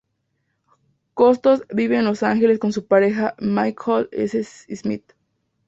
Costos vive en Los Ángeles con su pareja Michael S. Smith.